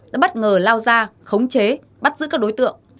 đã bất ngờ lao ra khống chế bắt giữ các đối tượng